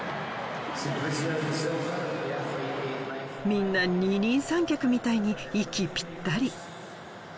みんな二人三脚みたいに息ぴったり。